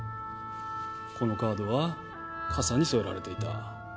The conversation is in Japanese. このカードは傘に添えられていた。